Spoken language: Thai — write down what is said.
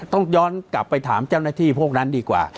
ต้องย้อนกลับไปถามเจ้าหน้าที่พวกนั้นดีกว่า